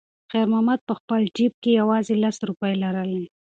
خیر محمد په خپل جېب کې یوازې لس روپۍ لرلې.